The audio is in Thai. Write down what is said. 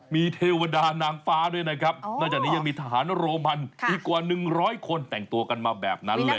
มีเทวดานางฟ้าด้วยนะครับนอกจากนี้ยังมีทหารโรมันอีกกว่า๑๐๐คนแต่งตัวกันมาแบบนั้นเลย